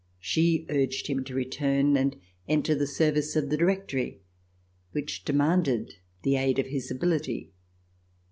She urged him to return and enter the service of the Directory which demanded the aid of his ability.